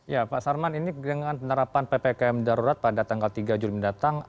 ya pak sarman ini dengan penerapan ppkm darurat pada tanggal tiga juli mendatang